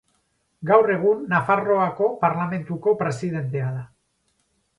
Gaur egun, Nafarroako Parlamentuko presidentea da.